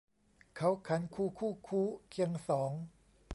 เขาขันคูคู่คู้ เคียงสอง